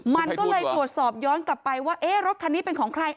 มันก็เลยตรวจสอบย้อนกลับไปว่ารถคันนี้เป็นของใคร